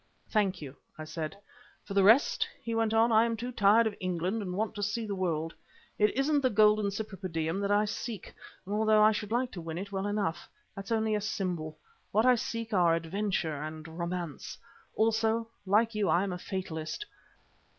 "Thank you," I said. "For the rest," he went on, "I too am tired of England and want to see the world. It isn't the golden Cypripedium that I seek, although I should like to win it well enough. That's only a symbol. What I seek are adventure and romance. Also, like you I am a fatalist.